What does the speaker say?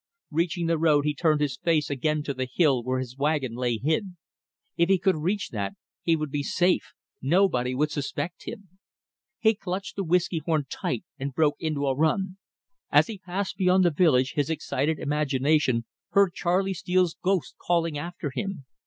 Reaching the road, he turned his face again to the hill where his wagon lay hid. If he could reach that, he would be safe; nobody would suspect him. He clutched the whiskey horn tight and broke into a run. As he passed beyond the village his excited imagination heard Charley Steele's ghost calling after him.